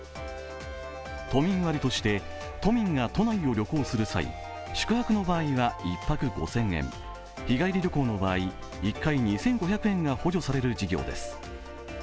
都民割として都民が都内を旅行する際、宿泊の際は１泊５０００円日帰り旅行の場合、１回２５００円が補助される事業です。